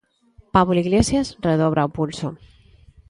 Pablo Iglesias redobra o pulso.